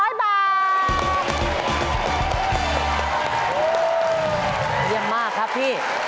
เยี่ยมมากครับพี่